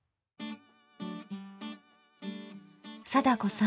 貞子さん